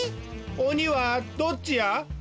おにはどっちや？